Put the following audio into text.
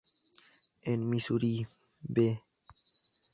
En "Misuri" v.